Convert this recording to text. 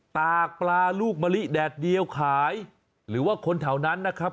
ตากปลาลูกมะลิแดดเดียวขายหรือว่าคนแถวนั้นนะครับ